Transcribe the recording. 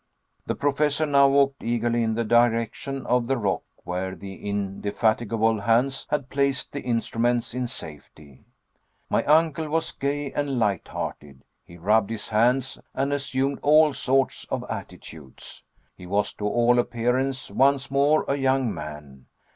The Professor now walked eagerly in the direction of the rock where the indefatigable Hans had placed the instruments in safety. My uncle was gay and lighthearted; he rubbed his hands, and assumed all sorts of attitudes. He was to all appearance once more a young man.